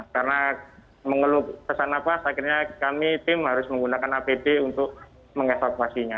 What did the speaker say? karena mengeluh pesan napas akhirnya kami tim harus menggunakan apd untuk mengevakuasinya